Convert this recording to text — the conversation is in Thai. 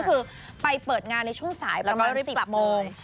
ก็คือไปเปิดงานในช่วงสายประมาณ๑๐โมง